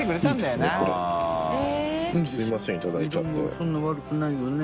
そんな悪くないよね？